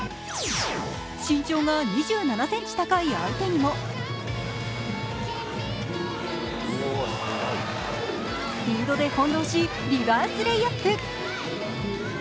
身長が２７ｃｍ高い相手にもスピードで翻弄しリバースレイアップ。